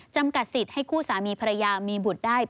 จำกัดสิทธิ์ให้คู่สามีภรรยามีบุตรได้